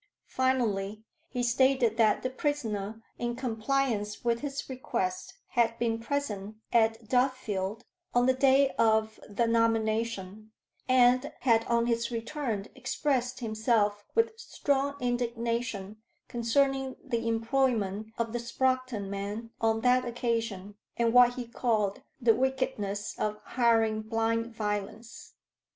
Finally, he stated that the prisoner, in compliance with his request, had been present at Duffield on the day of the nomination, and had on his return expressed himself with strong indignation concerning the employment of the Sproxton men on that occasion, and what he called the wickedness of hiring blind violence.